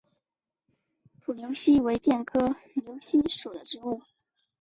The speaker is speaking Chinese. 土牛膝为苋科牛膝属的植物。